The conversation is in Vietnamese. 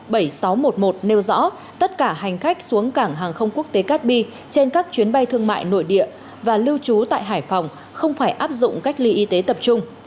bộ giao thông vận tải sáu trăm một mươi một nêu rõ tất cả hành khách xuống cảng hàng không quốc tế cát bi trên các chuyến bay thương mại nội địa và lưu trú tại hải phòng không phải áp dụng cách ly y tế tập trung